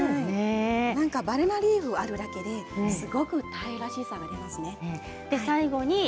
バナナリーフがあるだけですごくタイらしいんですね。。